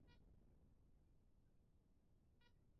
zinazohusika katika hatua mbadala au njia za kuboresha hewa na